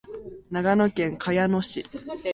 長野県茅野市